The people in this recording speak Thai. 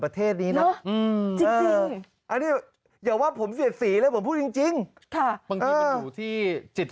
ประเทศนี้นะอันนี้อย่าว่าผมเสียสีเลยผมพูดจริงที่จิต